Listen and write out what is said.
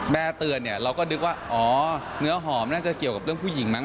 อ๋อเนื้อหอมน่าจะเกี่ยวกับเรื่องผู้หญิงมั้ง